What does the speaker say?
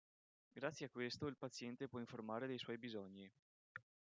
Grazie a questo il paziente può informare dei suoi bisogni.